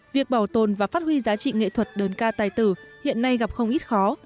việc bảo tồn và phát huy giá trị nghệ thuật đơn ca tài tử hiện nay gặp không ít khó